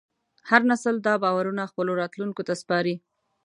هر نسل دا باورونه خپلو راتلونکو ته سپاري.